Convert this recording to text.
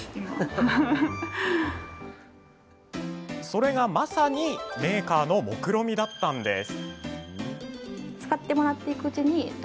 それがまさにメーカーのもくろみだったんです。